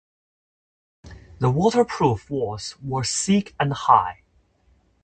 The waterproof walls were thick and high.